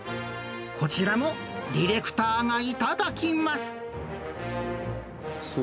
こちらもディレクターが頂きます。